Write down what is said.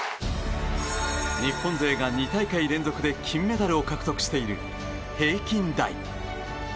日本勢が２大会連続で金メダルを獲得している平均台。